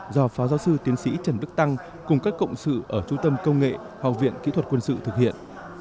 do phó giáo sư tiến sĩ trần đức tăng cùng các cộng sự ở trung tâm công nghệ học viện kỹ thuật quân sự thực hiện